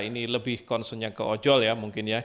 ini lebih concernnya ke ojol ya mungkin ya